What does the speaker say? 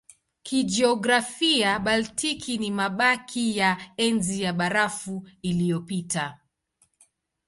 Kijiografia Baltiki ni mabaki ya Enzi ya Barafu iliyopita.